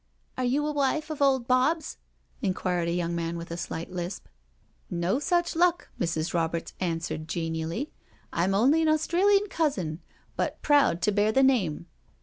"Are you a wife of old Bobs?" inquired a young man with a slight lisp. "No such luck/* Mrs. Roberts answered genially; " Tm only an Australian cousin, but proud to bear the name.